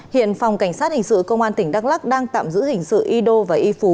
hiện phòng cảnh sát hình sự công an tỉnh đắk lắc đang tạm giữ hình sự y đô và y phú